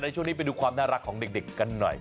ช่วงนี้ไปดูความน่ารักของเด็กกันหน่อย